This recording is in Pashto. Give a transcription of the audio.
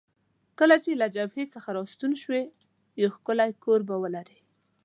کله چې له جبهې څخه راستون شوې، یو ښکلی کور به ولرې.